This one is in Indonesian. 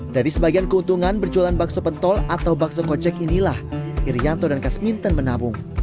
dari sebagian keuntungan berjualan bakso pentol atau bakso kocek inilah irianto dan kasminton menabung